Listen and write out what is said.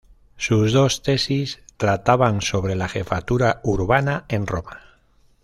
Sus dos tesis trataban sobre la jefatura urbana en Roma.